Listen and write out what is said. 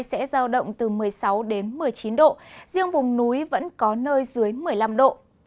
sẽ giao động từ một mươi sáu đến một mươi chín độ riêng vùng núi vẫn có nơi dưới một mươi năm độ